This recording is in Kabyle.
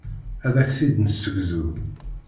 Ad ak-t-id-nessegzu.